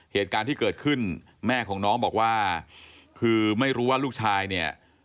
เหตุการณ์ที่เกิดขึ้นแม่ของน้องบอกว่าคือไม่รู้ว่าลูกชายเนี่ย